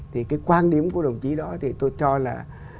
thì cái quan điểm của đồng chí đó thì tôi cho là